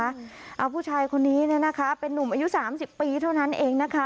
เอาผู้ชายคนนี้เนี่ยนะคะเป็นนุ่มอายุ๓๐ปีเท่านั้นเองนะคะ